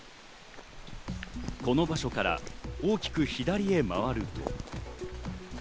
この場所から大きく左へ曲がると。